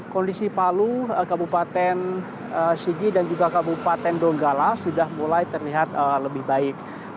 kondisi palu kabupaten sigi dan juga kabupaten donggala sudah mulai terlihat lebih baik